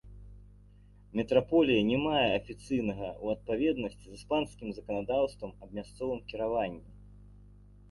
Метраполія не мае афіцыйнага ў адпаведнасці з іспанскім заканадаўствам аб мясцовым кіраванні.